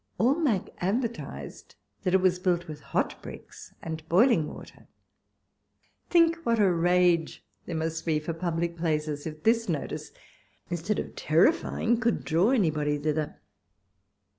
Almack advertised that it was built with hot bricks and boiling water — think what a rage there must be for public places, if this notice, instead of terri fying, could draw anybody thither.